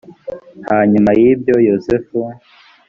hanyuma y ibyo yozefu